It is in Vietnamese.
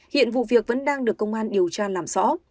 hiện vụ việc vẫn đang được công an điều tra làm rõ